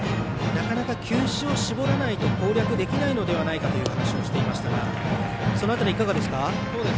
なかなか球種を絞らないと攻略できないのではないかというお話をしていましたがその辺りいかがですか？